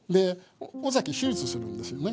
尾崎手術するんですよね。